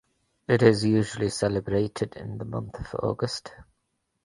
It is usually celebrated in the month of August.